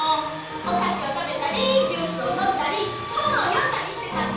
おかしをたべたりジュースをのんだりほんをよんだりしてたんだ！